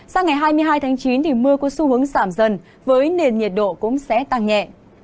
sang ngày hai mươi hai tháng chín mưa có xu hướng giảm dần với nền nhiệt độ cũng sẽ tăng nhẹ